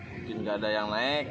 mungkin nggak ada yang naik